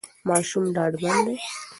ماشوم ډاډمن دی.